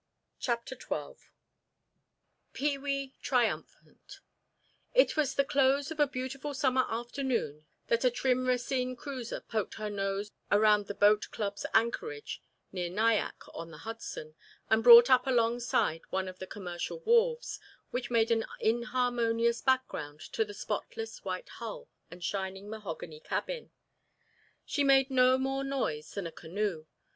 CHAPTER XII PEE WEE TRIUMPHANT It was toward the close of a beautiful summer afternoon that a trim Racine cruiser poked her nose around the boat club's anchorage near Nyack on the Hudson, and brought up alongside one of the commercial wharves, which made an inharmonious background to the spotless white hull and shining mahogany cabin. She made no more noise than a canoe.